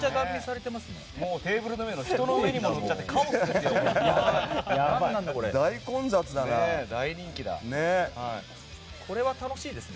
テーブルの上にも人の上にも乗っちゃってカオスですよ。